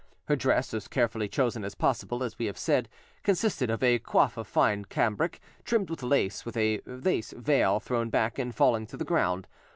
Her dress, as carefully chosen as possible, as we have said, consisted of a coif of fine cambric, trimmed with lace, with a lace veil thrown back and falling to the ground behind.